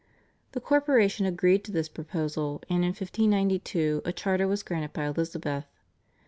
The corporation agreed to this proposal, and in 1592 a charter was granted by Elizabeth.